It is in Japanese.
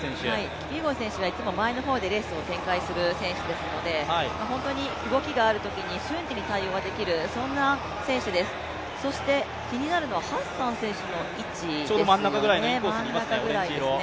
キピエゴン選手はいつも前の方でレースを展開する選手ですので本当に動きがあるときに瞬時に対応ができる、そんな選手です、気になるのはハッサン選手の位置ですよね、真ん中ぐらいですね。